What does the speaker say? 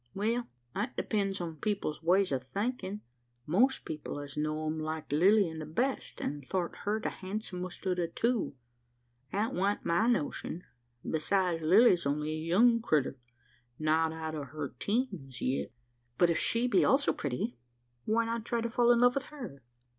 "Well, that depends upon people's ways o' thinkin'. Most people as know 'em liked Lilian the best, an' thort her the handsumest o' the two. That wan't my notion. Besides, Lilly's only a young crittur not out o' her teens yit." "But if she be also pretty, why not try to fall in love with her?